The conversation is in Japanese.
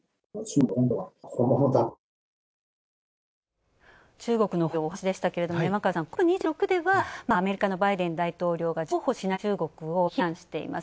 中国の本気度は本物だというお話でしたけども山川さん、ＣＯＰ２６ではアメリカのバイデン大統領が譲歩しない中国を非難しています。